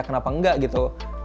kenapa enggak gitu